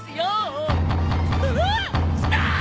うわっ！来た！